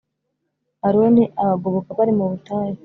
Aroni abagoboka bari mu butayu